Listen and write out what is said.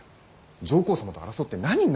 上皇様と争って何になるのですか。